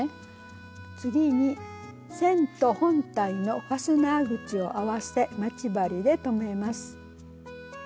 次に線と本体のファスナー口を合わせ待ち針で留めます。